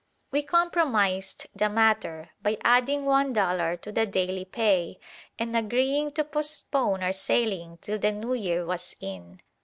We compromised the matter by adding one dollar to the daily pay and agreeing to postpone our sailing till the New Year was in.